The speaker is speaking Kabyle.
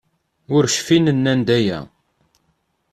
Ur cfin nnan-d aya.